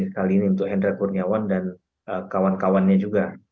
kali ini untuk hendra kurniawan dan kawan kawannya juga